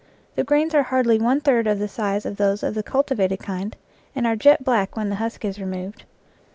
The grains are hardly one third the size of those of the cultivated kind and are jet black when the husk is removed.